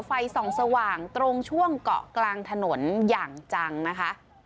ไฟส่องสว่างตรงช่วงเกาะกลางถนนอย่างจังนะคะ